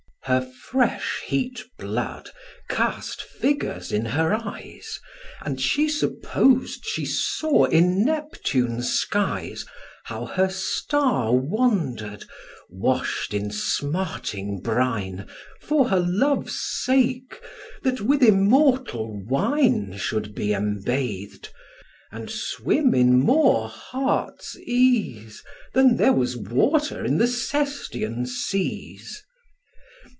Her fresh heat blood cast figures in her eyes, And she suppos'd she saw in Neptune's skies How her star wander'd, wash'd in smarting brine, For her love's sake, that with immortal wine Should be embath'd, and swim in more heart's ease Than there was water in the Sestian seas.